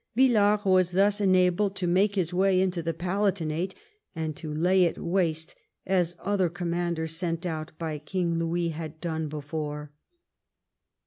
Villars was thus enabled to make his way into the Palatinate and to lay it waste, as other com manders sent out by King Louis had done before.